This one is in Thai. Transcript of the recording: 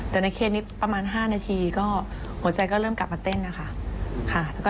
แต่ในเคสนี้ประมาณ๕นาทีก็หัวใจก็เริ่มกลับมาเต้นนะคะ